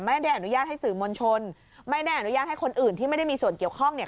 ไม่ได้อนุญาตให้สื่อมวลชนไม่ได้อนุญาตให้คนอื่นที่ไม่ได้มีส่วนเกี่ยวข้องเนี่ย